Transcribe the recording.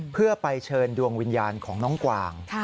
เพื่อไปเชิญดวงวิญญาณของน้องกวาง